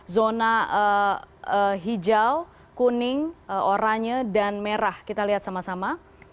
zona hijau kuning oranye dan merah kita lihat sama sama